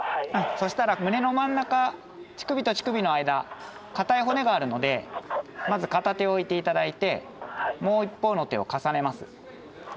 そしたら胸の真ん中乳首と乳首の間硬い骨があるのでまず片手を置いて頂いてもう一方の手を重ねます。